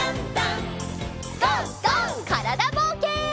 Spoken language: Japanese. からだぼうけん。